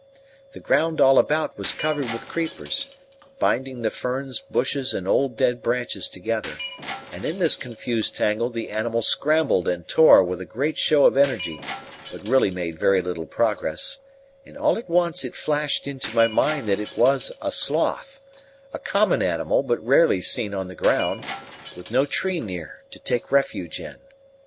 The ground all about was covered with creepers, binding the ferns, bushes, and old dead branches together; and in this confused tangle the animal scrambled and tore with a great show of energy, but really made very little progress; and all at once it flashed into my mind that it was a sloth a common animal, but rarely seen on the ground with no tree near to take refuge in.